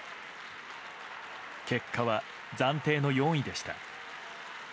結果は暫定の４位でした。